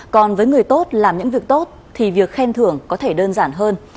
còn với người tốt làm những việc tốt thì việc khen thưởng có thể đơn giản hơn